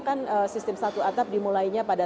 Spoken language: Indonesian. kan sistem satu atap dimulainya pada